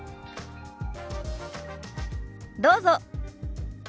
どうぞ。